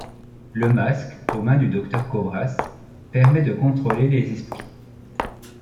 Le masque aux mains du Docteur Kobras permet de contrôler les esprits.